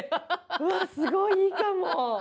すごいいいかも！